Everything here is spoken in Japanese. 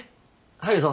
入るぞ。